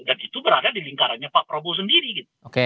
dan itu berada di lingkarannya pak prabowo sendiri gitu